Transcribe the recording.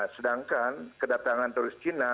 sedangkan kedatangan terus cina